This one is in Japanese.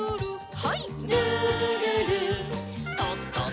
はい。